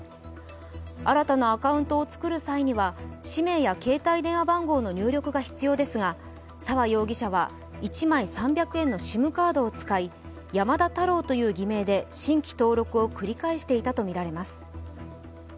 新たなアカウントを作る際には氏名や携帯電話番号の入力が必要ですが、沢容疑者は１枚３００円のＳＩＭカードを使い山田太郎という偽名で新規登録を繰り返していたとみられます。